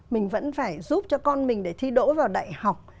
mình vẫn phải giúp cho con mình để thi đỗ vào đại học